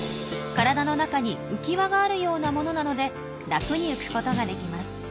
体の中に浮き輪があるようなものなので楽に浮くことができます。